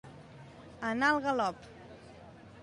Anar al galop.